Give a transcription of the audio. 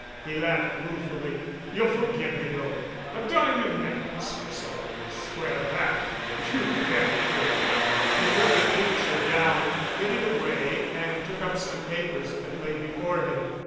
He laughed ruefully. "You'll forgive me, though. A diamond necklace or so will square that. You bet it will!" He put the picture down, hid it away, and took up some papers that lay before him.